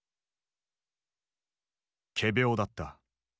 仮病だった。